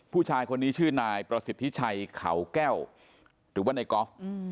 ผู้ชายคนนี้ชื่อนายประสิทธิชัยเขาแก้วหรือว่าในกอล์ฟ